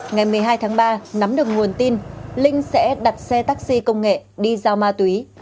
ngày một mươi hai tháng ba nắm được nguồn tin linh sẽ đặt xe taxi công nghệ đi giao ma túy